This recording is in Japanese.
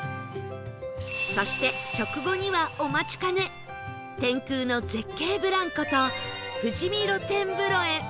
そして食後にはお待ちかね天空の絶景ブランコと富士見露天風呂へ